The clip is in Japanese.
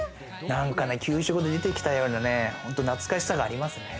給食で出てきたような懐かしさがありますね。